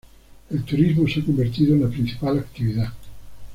El turismo se ha convertido en la principal actividad.